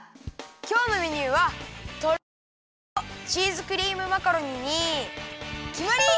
きょうのメニューはとろりのうこうチーズクリームマカロニにきまり！